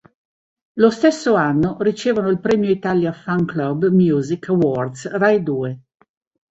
Lo stesso anno ricevono il premio Italia Fan Club Music Awards Rai Due.